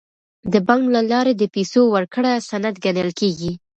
د بانک له لارې د پیسو ورکړه سند ګڼل کیږي.